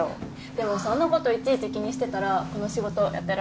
でもそんなこといちいち気にしてたらこの仕事やってられませんよね。